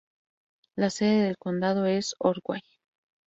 La sede del condado es Ordway.